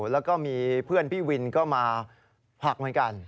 แล้วก็มีเพื่อนพี่วินก็มาผลักเหมือนกัน